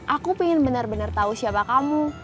aku pengen bener bener tau siapa kamu